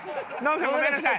ごめんなさい。